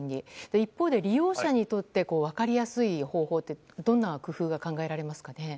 一方で利用者にとって分かりやすい方法ってどんな工夫が考えられますかね？